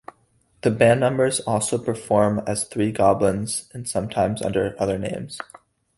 The band members also perform as Thee Goblins and sometimes under other names.